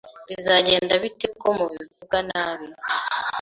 Bizagenda bite ko mubivuga nabi